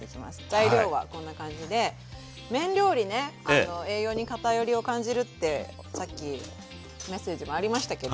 材料はこんな感じで麺料理ね栄養に偏りを感じるってさっきメッセージもありましたけど